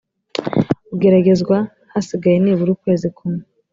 ugeragezwa hasigaye nibura ukwezi kumwe